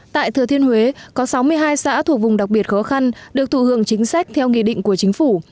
tại thừa thiên huế có sáu mươi hai xã thuộc vùng đặc biệt khó khăn được thụ hưởng chính sách theo nghị định của chính phủ